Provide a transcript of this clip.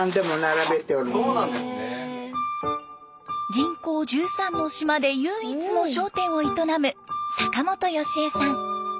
人口１３の島で唯一の商店を営む阪本佳江さん。